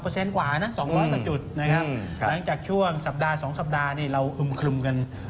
กว่านะ๒๐๐กว่าจุดนะครับหลังจากช่วงสัปดาห์๒สัปดาห์นี่เราอึมคลึมกัน